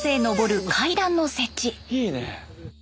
いいね！